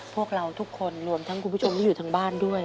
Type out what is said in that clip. พวกเราทุกคนรวมทั้งคุณผู้ชมที่อยู่ทางบ้านด้วย